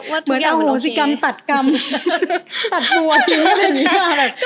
เหมือนเอาโหสิกรรมตัดกรรมตัดหัวทิ้งอะไรแบบนี้ค่ะมันโอเค